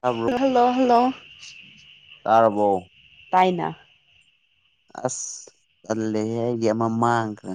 ꯇꯥꯕ꯭ꯔꯣ hello hello ꯇꯥꯔꯕꯣ ꯇꯥꯏꯅ ꯑꯁ ꯇꯜꯂꯦꯍꯦ ꯑꯩꯗꯤ ꯑꯃ ꯃꯥꯡꯒ꯭ꯔꯦ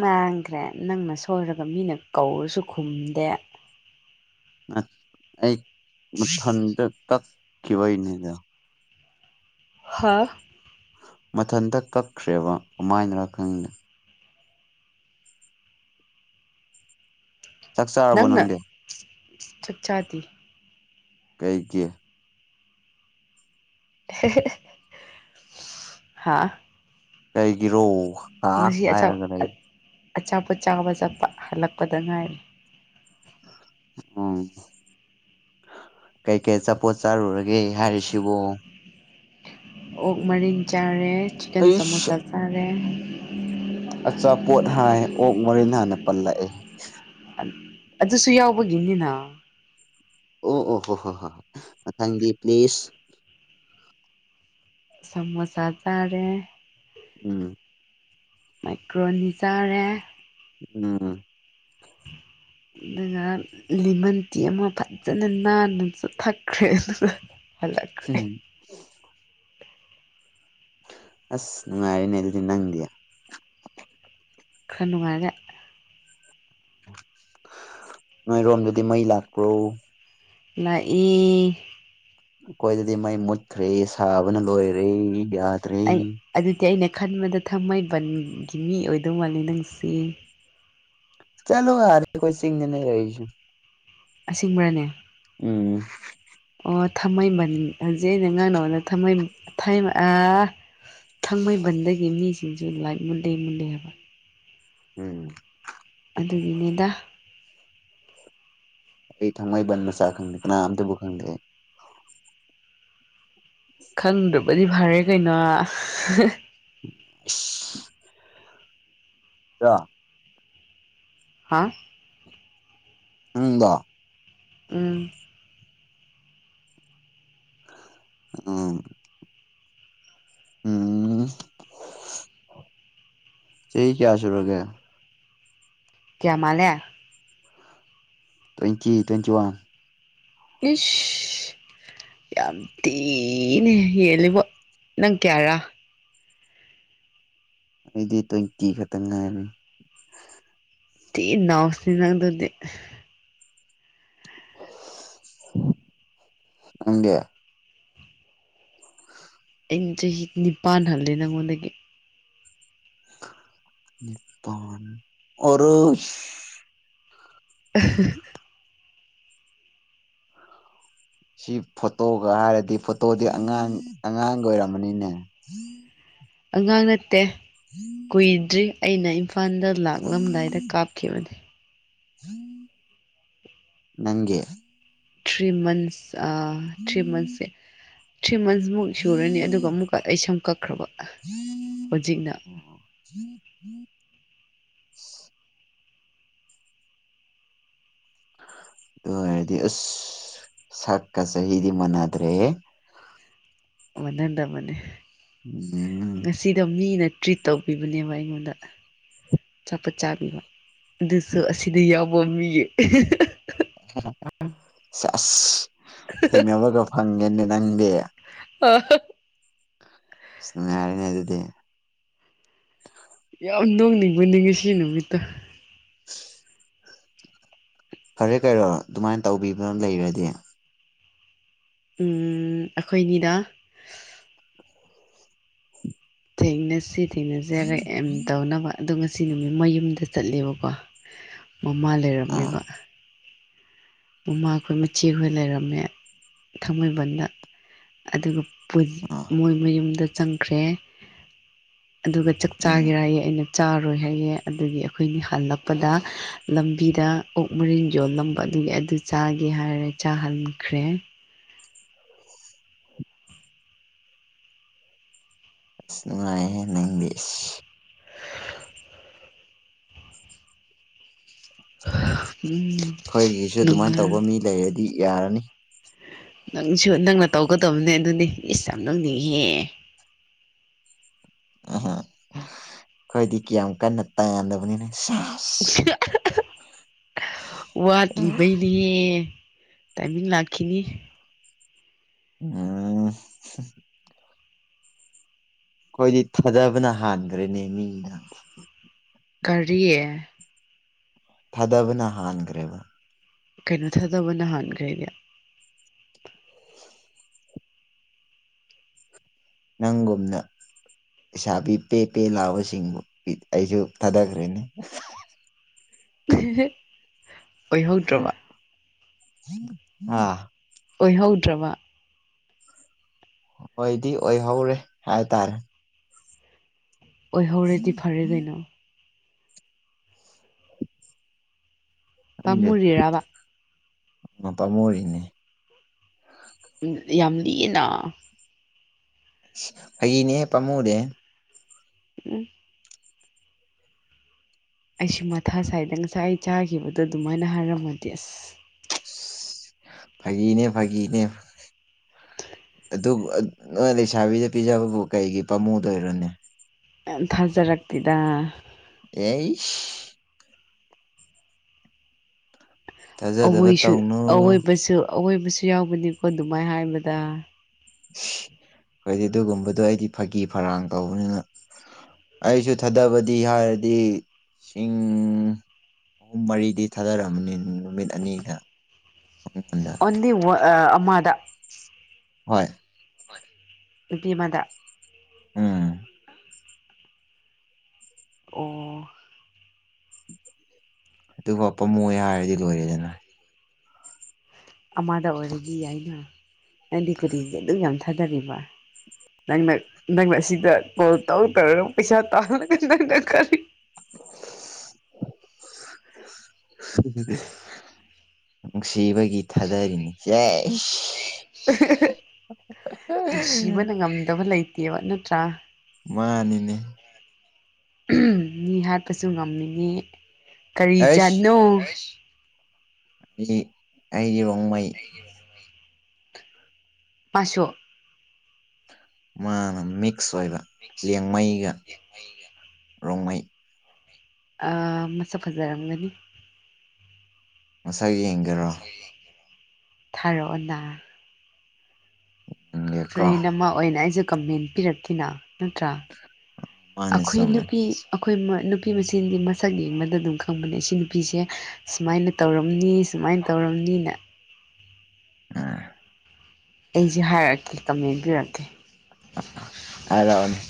ꯃꯥꯡꯈ꯭ꯔꯦ ꯅꯪꯅ ꯁꯣꯏꯔꯒ ꯃꯤꯅ ꯀꯧꯔꯁꯨ ꯈꯨꯝꯗꯦ ꯑꯩ ꯃꯊꯟꯇ ꯇꯛꯈꯤꯕꯒꯤꯅꯦꯗ ꯍꯥꯥ ꯃꯊꯟꯇ ꯀꯛꯈ꯭ꯔꯦꯕ ꯀꯃꯥꯏꯅꯔ ꯈꯪꯗꯦ ꯆꯥꯛ ꯆꯥꯔꯕꯣ ꯅꯪꯅ ꯅꯪꯗꯤ ꯆꯥꯛ ꯆꯥꯗꯤ ꯀꯩꯒꯤ ꯍꯥꯥ ꯀꯩꯒꯤꯔꯣ ꯉꯥꯏꯍꯛ ꯉꯁꯤ ꯑꯆꯥ ꯉꯥꯏꯔꯒ ꯂꯩ ꯑꯆꯥꯄꯣꯠ ꯆꯥꯕ ꯆꯠꯄ ꯍꯜꯂꯛꯄꯗ ꯉꯥꯏꯔꯤ ꯎꯝ ꯀꯩ ꯀꯩ ꯑꯆꯥꯄꯣꯠ ꯆꯥꯔꯨꯔꯒꯦ ꯍꯥꯏꯔꯤꯁꯤꯕꯨ ꯑꯣꯛ ꯃꯔꯤꯟ ꯆꯥꯔꯦ ꯆꯤꯛꯀꯟ ꯑꯩꯁ ꯁꯃꯣꯁꯥ ꯆꯥꯔꯦ ꯑꯆꯥꯄꯣꯠ ꯍꯥꯏ ꯑꯣꯛ ꯃꯔꯤꯟ ꯍꯥꯟꯅ ꯄꯜꯂꯛꯑꯦ ꯑꯗꯨꯁꯨ ꯌꯥꯎꯕꯒꯤꯅꯤꯅ ꯑꯣ ꯑꯣ ꯍꯣ ꯍꯣ ꯍꯣꯏ ꯍꯣꯏ ꯃꯊꯪꯒꯤ ꯄ꯭ꯂꯤꯖ ꯁꯃꯣꯁꯥ ꯆꯥꯔꯦ ꯎꯝ ꯃ‌ꯦꯀꯔ‌ꯣꯅꯤ ꯆꯥꯔꯦ ꯎꯝ ꯑꯗꯨꯅ ꯂꯤꯃꯟꯇꯤ ꯑꯃ ꯐꯖꯅ ꯅꯥꯟꯅꯁꯨ ꯊꯛꯈ꯭ꯔꯦ ꯑꯗꯨꯒ ꯍꯜꯂꯛꯈ꯭ꯔꯦ ꯎꯝ ꯑꯁ ꯅꯨꯡꯉꯥꯏꯔꯦꯅꯦ ꯑꯗꯨꯗꯤ ꯅꯪꯗꯤ ꯈꯔ ꯅꯨꯡꯉꯥꯏꯔꯦ ꯅꯣꯏꯔꯣꯝꯗꯗꯤ ꯃꯩ ꯂꯥꯛꯄ꯭ꯔꯣ ꯂꯥꯛꯏ ꯑꯩꯈ‌ꯣꯏꯗꯗꯤ ꯃꯩ ꯃꯨꯠꯈ꯭ꯔꯦ ꯁꯥꯕꯅ ꯂꯣꯏꯔꯦ ꯌꯥ ꯑꯩ ꯑꯗꯨꯗꯤ ꯑꯩꯅ ꯈꯟꯕꯗ ꯊꯥꯡꯃꯩꯕꯟꯒꯤ ꯃꯤ ꯑꯣꯏꯗꯧ ꯃꯥꯜꯂꯦ ꯅꯪꯁ‌ꯦ ꯆꯠꯂꯣ ꯑꯗꯥ ꯑꯩꯈ‌ꯣꯏ ꯆꯤꯡꯗꯅ‌ꯦ ꯂꯩꯔꯤꯁ‌ꯦ ꯑꯁ‌ꯦꯡꯕꯔꯅꯦ ꯎꯝ ꯑꯣ ꯊꯥꯡꯃꯩꯕꯟ ꯍꯧꯖꯤꯛ ꯑꯩꯅ ꯉꯥꯡꯅꯕꯗ ꯊꯥꯡꯃꯩ ꯊꯥꯡꯃꯩꯕꯟ‌ ꯑꯥ ꯊꯥꯡꯃꯩꯕꯟꯗꯒꯤ ꯃꯤꯁꯤꯡꯁꯨ ꯂꯥꯏꯛ ꯃꯨꯟꯂꯦ ꯃꯨꯟꯂꯦ ꯍꯥꯏꯕ ꯎꯝ ꯑꯗꯨꯒꯤꯅꯦꯗ ꯑꯩ ꯊꯥꯡꯃꯩꯕꯟ ꯃꯆꯥ ꯈꯪꯗꯦ ꯀꯅꯥꯝꯇꯕꯨ ꯈꯪꯗ‌ꯦ ꯑꯩ ꯈꯪꯗꯕꯗꯤ ꯐꯔꯦ ꯀꯩꯅꯣ ꯑꯁ ꯍꯥ ꯅꯪꯂ‌ꯣ ꯎꯝ ꯑ ꯎꯝ ꯆꯍꯤ ꯀꯌꯥ‌ ꯁꯨꯨꯔꯒꯦ ꯀꯌꯥ ꯃꯥꯜꯂꯦ ꯇ꯭ꯋꯦꯟꯇꯤ ꯇ꯭ꯋꯦꯟꯇꯤ ꯋꯥꯟ ꯏꯁ ꯌꯥꯝ ꯊꯤꯅꯥ ꯍꯦꯜꯂꯤꯕꯣ ꯅꯪ ꯀꯌꯥꯔꯥ ꯑꯩꯗꯤ ꯇ꯭ꯋꯦꯟꯇꯤ ꯈꯛꯇ ꯉꯥꯏꯔꯤ ꯊꯤ--ꯅꯥꯎꯁꯅꯤ ꯅꯪ ꯑꯗꯨꯗꯤ ꯅꯪꯗꯤ ꯑꯩꯅ ꯆꯍꯤ ꯅꯤꯄꯥꯟ ꯍꯜꯂꯦ ꯅꯪꯉꯣꯟꯗꯒꯤ ꯅꯤꯄꯥꯟ ꯑꯣꯏ [unintelligible] ꯁꯤ ꯐꯣꯇꯣꯒ ꯍꯥꯏꯔꯗꯤ ꯐꯣꯇꯣꯗꯤ ꯑꯉꯥꯡ ꯑꯉꯥꯡ ꯒ ꯑꯣꯏꯔꯝꯒꯅꯤꯅꯦ [unintelligible] ꯑꯉꯥꯡ ꯅꯠꯇꯦ ꯎꯝ ꯀꯨꯏꯗ꯭ꯔꯤ ꯑꯩꯅ ꯏꯝꯐꯥꯜꯗ ꯂꯥꯛꯂꯝꯗꯥꯏꯗ ꯀꯥꯞꯈꯤꯕꯅꯦ ꯅꯪꯒꯦ ꯊ꯭ꯔꯤ ꯃ ꯊ꯭ꯔꯤ ꯃꯟ ꯊ꯭ꯔꯤ ꯃꯟ ꯨ ꯁꯨꯔꯅꯤ ꯑꯗꯨꯒ ꯑꯃꯨꯛꯀ ꯑꯩ ꯁꯨꯝ ꯀꯛꯈ꯭ꯔꯕ ꯍꯧꯖꯤꯛꯅ [inaudible] ꯑꯗꯨ ꯑꯣꯏꯔꯗꯤ ꯑꯁ ꯁꯛꯀ ꯆꯍꯤꯗꯤ ꯃꯥꯟꯅꯗ꯭ꯔꯦ ꯃꯅꯗꯕꯅꯦ ꯎꯝ ꯁꯤꯗ ꯃꯤꯅ ꯇ꯭ꯔꯤꯠ ꯇꯧꯕꯤꯕꯅꯦꯕ ꯑꯩꯉꯣꯟꯗ ꯆꯄꯠ ꯆꯥꯕꯤꯕ ꯑꯗꯨꯁꯨ ꯑꯁꯤꯗ ꯌꯥꯎꯕ ꯃꯤꯒꯤ ꯑꯁ ꯊꯦꯡꯅꯕꯒ ꯐꯪꯒꯦꯅꯦ ꯅꯪꯗꯤ ꯑ ꯉꯔꯅꯦ ꯑꯗꯨꯗꯦ ꯌꯥꯝ ꯅꯣꯡꯅꯤꯡꯕ ꯅꯤꯡꯉꯤ ꯁꯤ ꯅꯨꯃꯤꯠꯇ ꯎ ꯐꯔꯦ ꯀꯔꯣ ꯑꯗꯨꯃꯥꯏꯅ ꯇꯧꯕꯤꯕ ꯂꯩꯔꯗꯤ ꯎꯝ ꯑꯩꯈꯣꯏꯒꯤꯗ ꯊꯦꯡꯅꯁꯤ ꯊꯦꯡꯅꯖꯔ ꯑꯦꯝ ꯇꯧꯅꯕ ꯑꯗꯣ ꯉꯁꯤ ꯅꯨꯃꯤꯠ ꯃꯌꯨꯝꯗ ꯆꯠꯂꯦꯕꯀꯣ ꯃꯃꯥ ꯑꯥ ꯂꯩꯔꯝꯃꯦꯕ ꯃꯃꯥꯈꯣꯏ ꯃꯆꯦꯈꯣꯏ ꯂꯩꯔꯝꯃꯦ ꯊꯥꯡꯃꯩꯕꯟꯗ ꯑꯗꯨꯒ ꯑꯥ ꯃꯣꯏ ꯃꯌꯨꯝꯗ ꯆꯪꯈ꯭ꯔꯦ ꯑꯗꯨꯒ ꯆꯥꯛ ꯎꯝ ꯆꯥꯒꯦꯌꯦ ꯑꯩꯅ ꯆꯥꯔꯣꯏ ꯍꯥꯏꯌꯦ ꯑꯗꯨꯒꯤ ꯑꯩꯈꯣꯏꯅꯤ ꯍꯜꯂꯛꯄꯗ ꯂꯝꯕꯤꯗ ꯑꯣꯛ ꯃꯔꯤꯟ ꯌꯣꯜꯂꯝꯕ ꯑꯗꯨꯒꯤ ꯑꯗꯨ ꯆꯥꯒꯦ ꯍꯥꯏꯔꯦ ꯆꯥꯍꯟꯈ꯭ꯔꯦ ꯅꯨꯡꯉꯥꯏ ꯍꯦ ꯅꯪꯗꯤ ꯢꯁ ꯎꯝ ꯑꯩꯈꯣꯏꯒꯤꯁꯨ ꯑꯗꯨꯃꯥꯏꯅ ꯅꯨꯡꯉꯥꯏ ꯇꯧꯕ ꯃꯤ ꯂꯩꯔꯗꯤ ꯌꯥꯔꯅꯤ ꯅꯪꯁꯨ ꯅꯪꯅ ꯇꯧꯒꯗꯕꯅꯦ ꯑꯗꯨꯅꯤ ꯏꯁ ꯌꯥꯝ ꯅꯧꯅꯤꯡꯍꯦ ꯑꯩꯣꯏꯗꯤ ꯀꯌꯥꯝ ꯀꯟꯅ ꯇꯥꯟꯗꯕꯅꯤꯅ ꯁꯥ ꯋꯥꯠꯂꯤꯕꯩ ꯑꯦ ꯇꯥꯏꯃꯤꯡ ꯂꯈꯤꯅꯤ ꯑꯣ ꯑꯩꯈꯣꯏꯗꯤ ꯊꯥꯗꯕꯅ ꯍꯥꯟꯈ꯭ꯔꯦꯅꯦ ꯃꯤꯅ ꯀꯔꯤꯌꯦ ꯊꯗꯧ ꯅ ꯍꯥꯥꯡꯒ꯭ꯔꯦꯕ ꯀꯩꯅꯣ ꯊꯥꯗꯕꯅ ꯍꯥꯟꯈ꯭ꯔꯦꯗꯤ ꯅꯪꯒꯨꯝꯅ ꯄꯩꯁꯥ ꯄꯤ ꯄꯦ ꯄꯦ ꯂꯥꯛꯕꯁꯤꯡꯕꯨ ꯑꯩꯁꯨ ꯊꯥꯗꯈ꯭ꯔꯦꯅꯦ ꯑꯣꯏꯍꯧꯗ꯭ꯔꯕ ꯑꯥ ꯑꯣꯏꯍꯧꯗ꯭ꯔꯕ ꯑꯣꯏꯗꯤ ꯑꯣꯏꯍꯧꯔꯦ ꯍꯥꯏꯇꯥꯔꯦ ꯑꯣꯏꯍꯧꯔꯗꯤ ꯐꯔꯦ ꯀꯩꯅꯣ ꯄꯥꯝꯃꯨꯔꯤꯔꯕ ꯄꯃꯨꯔꯤꯅꯦ ꯌꯥꯝ ꯂꯤꯌꯦꯅ ꯐꯒꯤꯅꯦ ꯄꯥꯝꯃꯨꯗꯦ ꯎꯝ ꯑꯩꯁꯨ ꯃꯊꯥ ꯁ꯭ꯏꯗ ꯉꯁꯥꯏ ꯑꯩ ꯆꯥꯈꯤꯕꯗꯣ ꯑꯗꯨꯃꯥꯏꯅ ꯍꯥꯏꯔꯝꯃꯗꯤ ꯑꯁ ꯐꯒꯤꯅꯦ ꯐꯒꯤꯅꯦ ꯑꯗꯨ ꯑ ꯅꯣꯏ ꯂꯩꯁꯥꯕꯤꯗ ꯄꯤꯖꯕꯕꯨ ꯀꯩꯒꯤ ꯄꯥꯃꯨꯗꯣꯏꯔꯅꯦ ꯌꯥꯝ ꯊꯥꯖꯔꯛꯇꯦꯗ ꯑꯦꯁ ꯊꯥꯖꯗꯕ ꯑꯋꯣꯏꯁꯨ ꯇꯧꯅꯨ ꯑꯋꯣꯏꯕꯁꯨ ꯑꯋꯣꯏꯕꯁꯨ ꯌꯥꯎꯕꯅꯤꯀꯣ ꯑꯗꯨꯃꯥꯏ ꯍꯥꯏꯕꯗ ꯈꯣꯏꯗꯤ ꯑꯗꯨꯒꯨꯝꯕꯗꯨ ꯑꯩꯗꯤ ꯐꯒꯤ ꯐꯔꯥꯡ ꯇꯧꯕꯅꯤꯅ ꯑꯩꯁꯨ ꯊꯥꯗꯕꯗꯤ ꯍꯥꯏꯔꯗꯤ ꯁꯤꯡ ꯑꯍꯨꯝ ꯃꯔꯤꯗꯤ ꯊꯥꯗꯔꯃꯅꯤ ꯅꯨꯃꯤꯠ ꯑꯅꯤꯗ ꯃꯉꯣꯟꯗ [unintelligible] ꯑꯃꯗ ꯍꯣꯏ ꯅꯨꯄꯤ ꯑꯃꯗ ꯎꯝ ꯑꯣ ꯑꯗꯨꯐꯥꯎ ꯄꯥꯝꯃꯨꯑꯦ ꯍꯥꯏꯔꯗꯤ ꯂꯣꯏꯔꯦꯗꯅ ꯑꯃꯗ ꯑꯣꯏꯔꯗꯤ ꯌꯥꯏꯅ ꯅꯪꯗꯤ ꯀꯔꯤꯒꯤ ꯑꯗꯨꯛ ꯌꯥꯝ ꯊꯥꯗꯔꯤꯕ ꯅꯪꯅ ꯅꯪꯅ ꯁꯤꯗ ꯀꯣꯜ ꯇꯧ ꯇꯧꯔ ꯄꯩꯁꯥ ꯇꯥꯜꯂꯒ ꯅꯪꯅ ꯀꯔꯤ [unintelligible] ꯅꯨꯡꯁꯤꯕꯒꯤ ꯊꯥꯗꯔꯤꯅꯤ ꯁꯦꯁ [unintelligible] ꯅꯨꯡꯁꯤꯕꯅ ꯉꯝꯗꯕ ꯂꯩꯇꯦꯕ ꯅꯠꯇ꯭ꯔꯥ ꯃꯥꯅꯤꯅꯦ ꯃꯤ ꯍꯥꯠꯄꯁꯨ ꯉꯝꯃꯤ ꯀꯔꯤ ꯑꯩꯁ ꯖꯥꯠꯅꯣ ꯑꯩ ꯑꯩꯗꯤ ꯔꯣꯡꯃꯩ [inaudible] ꯃꯥꯁꯨ ꯃꯥꯅ ꯃꯤꯛꯁ ꯑꯣꯏꯕ ꯂꯦꯡꯃꯩꯒ ꯔꯣꯡꯃꯩ ꯑ ꯃꯁꯛ ꯐꯖꯔꯝꯒꯅꯤ ꯃꯁꯛ ꯌꯦꯡꯒꯦꯔꯣ ꯊꯥꯔꯛꯑꯣꯅꯥ ꯌꯦꯡꯒꯦꯀꯣ ꯐ꯭ꯔꯦꯟ ꯑꯃ ꯑꯣꯏꯅ ꯑꯩꯁꯨ ꯀꯃꯦꯟ ꯄꯤꯔꯛꯀꯦꯅ ꯅꯠꯇ꯭ꯔꯥ ꯃꯥꯅꯦ ꯑꯈꯣꯏ ꯆꯨꯝꯃꯦ ꯅꯨꯄꯤ ꯑꯩꯈꯣꯏ ꯃ ꯅꯨꯄꯤ ꯃꯁꯦꯟꯗꯤ ꯃꯁꯛ ꯌꯦꯡꯕꯗ ꯑꯗꯨꯝ ꯈꯪꯕꯅꯦ ꯑꯁꯤ ꯅꯨꯄꯤꯁꯦ ꯁꯨꯃꯥꯏꯅ ꯇꯧꯔꯝꯅꯤ ꯁꯨꯃꯥꯏꯅ ꯇꯧꯔꯝꯅꯤꯅ ꯑ ꯑꯩꯁꯦ ꯍꯥꯏꯔꯛꯀꯦ ꯀꯃꯦꯟ ꯄꯤꯔꯛꯀꯦ ꯍꯥꯏꯔꯛꯑꯣꯅꯦ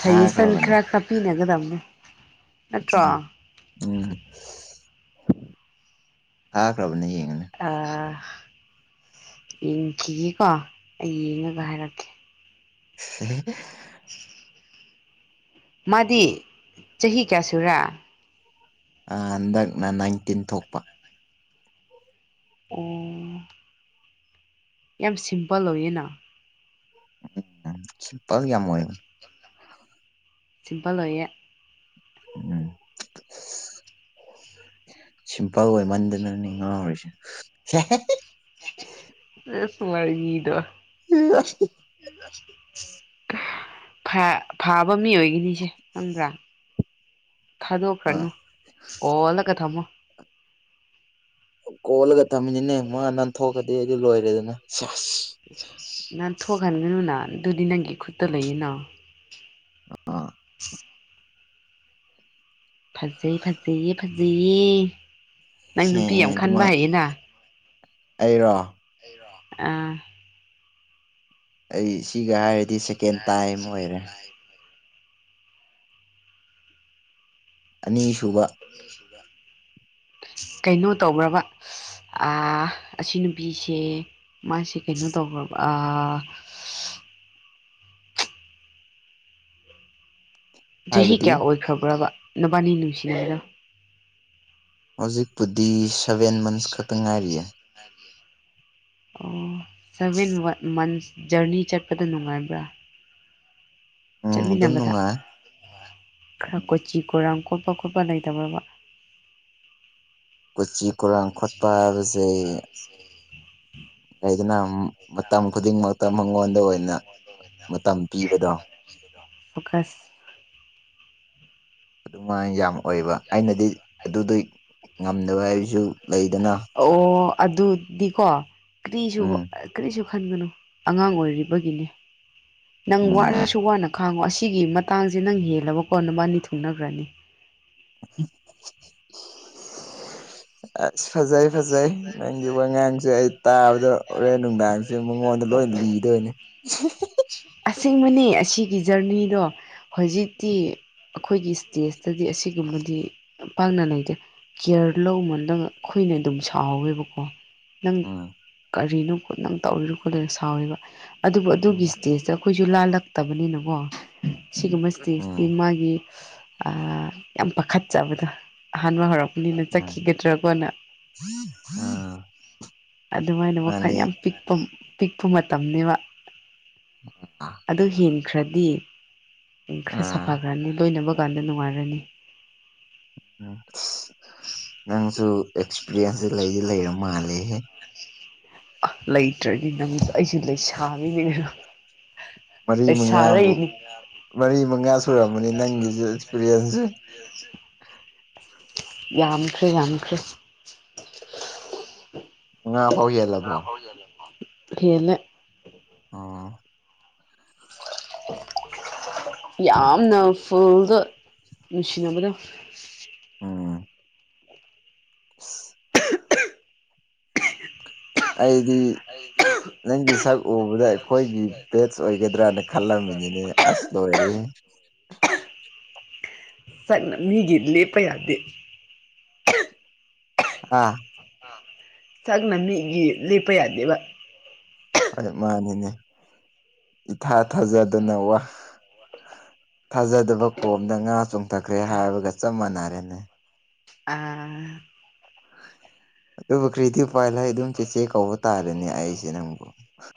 ꯐꯩꯌꯦꯁꯟ ꯊꯥꯈ꯭ꯔꯕꯅꯦ ꯈ꯭ꯔ ꯇꯛꯄꯤꯅꯒꯗꯝꯅꯦ ꯎꯝ ꯎꯝ ꯊꯥꯈ꯭ꯔꯕꯅ ꯌꯦꯡꯉꯅꯦ ꯑ ꯌꯦꯡꯈꯤꯒꯦꯀꯣ ꯑꯩ ꯌꯦꯡꯉꯒ ꯍꯥꯏꯔꯛꯀꯦ [unintelligible] [inaudible] ꯃꯥꯗꯤ ꯆꯍꯤ ꯀꯌꯥ ꯁꯨꯔꯥ ꯍꯟꯗꯛꯅ ꯅꯥꯏꯟꯇꯤꯟ ꯊꯣꯛꯄ ꯑꯣ ꯌꯥꯝ ꯁꯤꯝꯄꯜ ꯑꯣꯏꯌꯦꯅ ꯎꯝ ꯁꯤꯄꯜ ꯌꯥꯝ ꯑꯣꯏ ꯁꯤꯄꯜ ꯑꯣꯏꯌꯦ ꯎꯝ [inaudible] ꯁꯤꯝꯄꯜ ꯑꯣꯏꯃꯟꯗꯅꯅꯦ ꯉꯥꯎꯔꯤꯁꯦ ꯁꯦꯁ ꯋꯥꯔꯤꯗꯣ ꯐꯥ-ꯐꯥꯕ ꯃꯤ ꯑꯣꯏꯒꯅꯤ ꯑꯩꯁꯦ ꯈꯪꯕ꯭ꯔꯥ ꯑꯥ ꯊꯥꯗꯣꯛꯈ꯭ꯔꯅꯨ ꯀꯣꯜꯂꯒ ꯊꯝꯃꯣ ꯀꯣꯜꯂꯒ ꯇꯝꯃꯤꯅꯤꯅꯦ ꯃꯥ ꯅꯥꯟꯊꯣꯛꯑꯗꯤ ꯑꯩꯗꯤ ꯂꯣꯏꯔꯦꯗꯅ ꯁꯤꯁ ꯅꯪ ꯊꯣꯛꯍꯟꯒꯅꯨꯅ ꯑꯗꯨꯗꯤ ꯅꯪꯒꯤ ꯈꯨꯨꯠꯇ ꯂꯩꯌꯦꯅꯥ ꯑ [inaudible] [inaudible] ꯐꯖꯩ ꯐꯖꯩꯌꯦ ꯐꯖꯩꯌꯦ ꯅꯪ ꯁꯦ ꯅꯨꯄꯤ ꯌꯥꯝ ꯈꯟꯕ ꯑꯗꯨꯃꯥꯏ ꯍꯥꯩꯌꯦꯅꯥ ꯑꯩꯔꯣ ꯑꯥ ꯑꯩ ꯁꯤꯒ ꯍꯥꯏꯔꯗꯤ ꯁꯦꯀꯦꯟ ꯇꯥꯏꯝ ꯑꯣꯏꯔꯦ ꯑꯅꯤꯁꯨꯕ ꯀꯩꯅꯣ ꯇꯧꯕ꯭ꯔꯕ ꯑꯁꯤ ꯅꯨꯄꯤꯁꯦ ꯃꯥꯁꯦ ꯀꯩꯅꯣ ꯇꯧꯕ꯭ꯔꯕ ꯆꯍꯤ ꯍꯥꯏꯕꯗꯤ ꯀꯌꯥ ꯑꯣꯏꯈ꯭ꯔꯕ꯭ꯔꯕ ꯅꯕꯥꯅꯤ ꯅꯨꯡꯁꯤꯅꯔꯤꯗꯣ ꯍꯧꯖꯤꯛꯄꯨꯗꯤ ꯁꯚꯦꯟ ꯃꯟꯁ ꯈꯛꯇ ꯉꯥꯏꯔꯤꯌꯦ ꯅꯪꯒꯤ ꯑꯣ ꯁꯚꯦꯟ ꯃꯟꯁ ꯖꯔꯅꯤ ꯆꯠꯄꯗ ꯅꯨꯡꯉꯥꯏꯕ꯭ꯔꯥ ꯎꯝ ꯑꯗꯨꯝ ꯆꯠꯃꯤꯟꯅꯕꯗ ꯅꯨꯡꯉꯥꯏ ꯈꯔ ꯀꯣꯆꯤ ꯀꯣꯏꯔꯥꯡ ꯈꯣꯠꯄ ꯈꯣꯠꯄ ꯂꯩꯇꯕ꯭ꯔꯥꯕ ꯀꯣꯆꯤ ꯀꯣꯔꯥꯡ ꯈꯣꯠꯄ ꯍꯥꯏꯕꯁꯦ ꯎ [inaudible] ꯂꯩꯗꯅ ꯃꯇꯝ ꯈꯨꯗꯤꯡꯃꯛꯇ ꯃꯉꯣꯟꯗ ꯑꯣꯏꯅ ꯃꯇꯝ ꯄꯤꯕꯗꯣ ꯐꯣꯀꯁ [inaudible] ꯑꯗꯨꯃꯥꯏꯅ ꯌꯥꯝ ꯑꯣꯏꯕ ꯑꯩꯅꯗꯤ ꯑꯗꯨꯗꯨꯏ ꯉꯝꯗꯕ ꯍꯥꯏꯕꯁꯨ ꯂꯩꯗꯅ ꯑꯣ ꯑꯗꯨꯗꯤꯀꯣ ꯀꯔꯤꯁꯨ ꯎꯝ ꯀꯔꯤꯁꯨ ꯈꯟꯒꯅꯨ ꯑꯉꯥꯡ ꯑꯣꯏꯔꯤꯕꯒꯤꯅꯦ ꯅꯪ ꯎꯝ ꯋꯥꯔꯁꯨ ꯋꯥꯅ ꯈꯥꯡꯉꯣ ꯑꯁꯤꯒꯤ ꯃꯇꯥꯡꯁꯦ ꯅꯪ ꯍꯦꯜꯂꯕ ꯀꯣ ꯅꯕꯥꯟꯅꯤ ꯊꯨꯡꯅꯈ꯭ꯔꯅꯤ [inaudible] ꯑꯁ ꯐꯖꯩ ꯐꯖꯩ ꯅꯪꯒꯤ ꯋꯥꯉꯥꯡꯁꯦ ꯑꯩ ꯇꯥꯕꯗ ꯍꯣꯔꯦꯟ ꯅꯨꯡꯗꯥꯡꯁꯦ ꯁꯤ ꯃꯉꯣꯟꯗ ꯂꯣꯏ ꯂꯤꯗꯣꯏꯅꯦ ꯑꯁꯦꯡꯕꯅꯤ ꯑꯁꯤꯒꯤ ꯖꯔꯅꯤꯗꯣ ꯍꯧꯖꯤꯛꯇꯤ ꯑꯩꯈꯣꯏꯒꯤ ꯁ꯭ꯇꯦꯁꯇꯗꯤ ꯑꯁꯤꯒꯨꯝꯕꯗꯤ ꯄꯥꯛꯅ ꯂꯩꯗꯦ ꯀꯦꯌ꯭ꯔ ꯂꯧꯃꯟꯗꯅ ꯑꯩꯈꯣꯏꯅ ꯑꯗꯨꯝ ꯁꯥꯎꯋꯦꯕꯀꯣ ꯅꯪ ꯎꯝ ꯀꯔꯤꯅꯣ ꯈꯨꯠ ꯅꯪ ꯇꯧꯔꯤꯔꯣ ꯈꯣꯠꯂꯔꯣ ꯁꯥꯎꯔꯤꯕ ꯑꯗꯨꯕꯨ ꯑꯗꯨꯒꯤ ꯎꯝ ꯏꯁꯇꯦꯖꯇ ꯑꯩꯈꯣꯏꯁꯨ ꯂꯥꯜꯂꯛꯇꯕꯅꯤꯅꯀꯣ ꯁꯤꯒꯨꯝꯕ ꯁꯇꯦꯖꯇꯤ ꯎꯝ ꯃꯥꯒꯤ ꯌꯥꯝ ꯄꯥꯈꯠꯆꯕꯗꯣ ꯑꯍꯥꯟꯕ ꯍꯧꯔꯛꯄꯅꯤꯅ ꯆꯠꯈꯤꯒꯗ꯭ꯔꯥꯒꯣꯅ ꯑꯥ ꯑꯗꯨꯃꯥꯏꯅ ꯋꯥꯈꯜ ꯌꯥꯝ ꯄꯤꯛꯄ ꯄꯤꯛꯄ ꯃꯇꯝꯅꯤꯕ ꯑꯗꯨ ꯍꯦꯟꯈ꯭ꯔꯗꯤ ꯈꯔ ꯁꯥꯐꯥ ꯑꯥ ꯔꯅꯤ ꯂꯣꯏꯅꯕ ꯀꯥꯟꯗ ꯅꯨꯡꯉꯥꯏꯔꯅꯤ ꯎꯝ ꯅꯪꯁꯨ ꯑꯦꯛꯁꯄꯤꯔꯤꯟꯁꯁꯦ ꯂꯩꯗꯤ ꯂꯩꯔ ꯃꯥꯜꯂꯦꯍꯦ ꯂꯩꯇ꯭ꯔꯗꯤ ꯅꯪ ꯑꯩꯁꯨ ꯂꯩꯁꯥꯕꯤꯅꯦ ꯃꯔꯤ ꯃꯉꯥꯃꯨꯛ ꯃꯔꯤ ꯃꯉꯥ ꯁꯨꯔꯝꯃꯅꯤ ꯅꯪꯒꯤꯖꯦ ꯑꯦꯛꯁꯄꯤꯔꯤꯌꯦꯟꯁꯁꯦ ꯌꯥꯝꯈ꯭ꯔꯦ ꯌꯥꯝꯈ꯭ꯔꯦ ꯉ ꯍꯍꯤꯒꯂ [inaudible] ꯍꯦꯜꯂꯦ ꯑꯣ ꯌꯥꯝꯅ ꯐꯨꯜꯗ ꯅꯨꯡꯁꯤꯅꯕꯗꯣ ꯎꯝ [unintelligible] ꯑꯩꯗꯤ [unintelligible] ꯅꯪꯗꯤ ꯁꯛ ꯎꯕꯗ ꯑꯩꯈꯣꯏꯒꯤ ꯕꯦꯠꯁ ꯑꯣꯏꯒꯗ꯭ꯔꯅ ꯈꯜꯂꯝꯃꯤꯅꯤꯅꯦ ꯑꯁ ꯂꯣꯏꯔꯦ꯫ [inaudible] ꯁꯛꯅ ꯃꯤꯒꯤ ꯂꯦꯄꯥ ꯌꯥꯗꯦ꯫ ꯑꯥ ꯁꯛꯅ ꯃꯤꯒꯤ ꯂꯦꯞꯄ ꯌꯥꯗꯦꯕ꯫ ꯍꯣꯏ ꯃꯥꯅꯤꯅꯦ ꯏꯊꯥ ꯊꯥꯖꯗꯅ ꯋꯥ꯫ ꯊꯥꯖꯗꯕ ꯀꯣꯝꯗ ꯉꯥ ꯆꯣꯡꯊꯈ꯭ꯔꯦ ꯍꯥꯏꯕꯒ ꯆꯞ ꯃꯥꯟꯅꯔꯦꯅꯦ꯫ ꯑꯥ ꯑꯗꯨꯕꯨ ꯀ꯭ꯔꯤꯗꯤ ꯎꯄꯥꯢ ꯂꯩ ꯑꯗꯨꯝ ꯆꯦꯆꯦ ꯀꯧꯕ ꯇꯥꯔꯅꯦ ꯑꯩꯁꯦ ꯅꯪꯕꯨ꯫